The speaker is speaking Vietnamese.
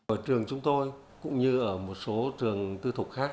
ở trường chúng tôi cũng như ở một số trường tư thục khác